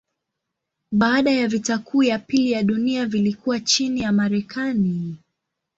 Baada ya vita kuu ya pili ya dunia vilikuwa chini ya Marekani.